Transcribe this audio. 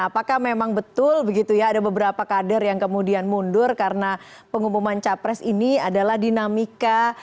apakah memang betul begitu ya ada beberapa kader yang kemudian mundur karena pengumuman capres ini adalah dinamika